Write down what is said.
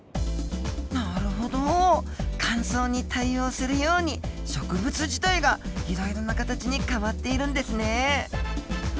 なるほど乾燥に対応するように植物自体がいろいろな形に変わっているんですね。